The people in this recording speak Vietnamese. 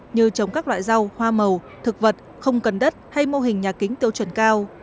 như trồng các loại rau hoa màu thực vật không cần đất hay mô hình nhà kính tiêu chuẩn cao